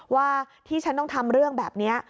ว่าที่ฉันต้องทำเรื่องแบบนี้